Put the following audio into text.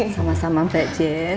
sama sama mbak jen